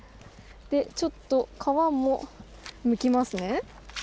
ちょっと皮もむきますね。